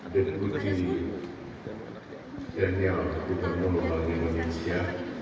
dekuji jenial gubernur pertama indonesia